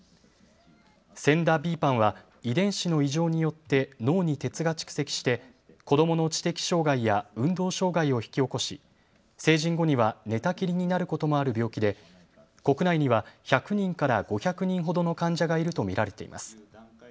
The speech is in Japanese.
ＳＥＮＤＡ／ＢＰＡＮは遺伝子の異常によって脳に鉄が蓄積して子どもの知的障害や運動障害を引き起こし、成人後には寝たきりになることもある病気で国内には１００人から５００人ほどの患者がいると見られています。